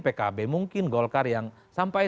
pkb mungkin golkar yang sampai